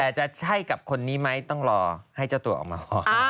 แต่จะใช่กับคนนี้ไหมต้องรอให้เจ้าตัวออกมา